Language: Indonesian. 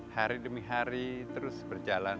hari demi hari terus berjalan